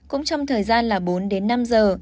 cũng trong thời gian là bốn năm giờ